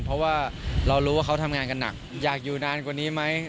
เพราะว่าเรารู้ว่าเขาทำงานกันหนักอยากอยู่นานกว่านี้ไหม